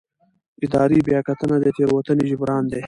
اداري بیاکتنه د تېروتنې جبران دی.